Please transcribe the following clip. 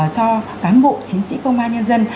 cho cán bộ chiến sĩ công an nhân dân